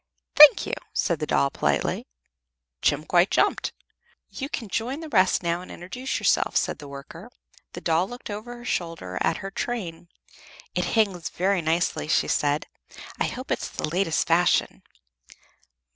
"Thank you," said the doll, politely. Jem quite jumped. "You can join the rest now and introduce yourself," said the worker. The doll looked over her shoulder at her train. "It hangs very nicely," she said. "I hope it's the latest fashion."